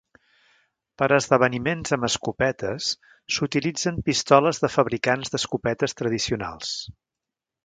Per a esdeveniments amb escopetes s'utilitzen pistoles de fabricants d'escopetes tradicionals.